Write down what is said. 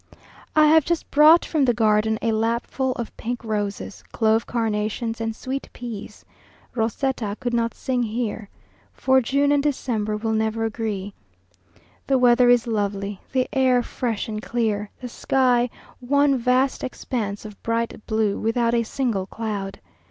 I have just brought from the garden a lapful of pink roses, clove carnations, and sweet peas. Rosetta could not sing here "For June and December will never agree." The weather is lovely, the air fresh and clear, the sky one vast expanse of bright blue, without a single cloud.